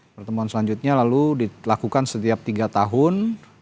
pertemuan selanjutnya lalu dilakukan setiap tiga tahun